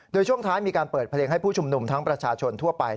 โดยช่วงท้ายมีการเปิดเพลงให้ผู้ชุมนุมทั้งประชาชนทั่วไป